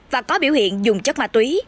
và có biểu hiện dùng chất ma túy